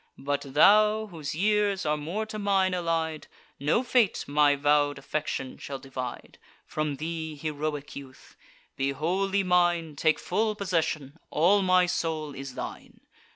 But thou, whose years are more to mine allied, No fate my vow'd affection shall divide From thee, heroic youth! Be wholly mine; Take full possession; all my soul is thine.